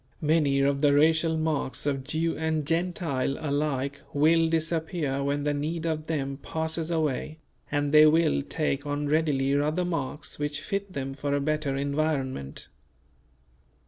Many of the racial marks of Jew and Gentile alike will disappear when the need of them passes away; and they will take on readily other marks which fit them for a better environment.